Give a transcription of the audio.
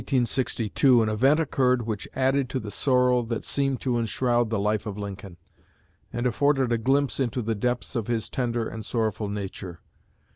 Early in 1862 an event occurred which added to the sorrow that seemed to enshroud the life of Lincoln, and afforded a glimpse into the depths of his tender and sorrowful nature.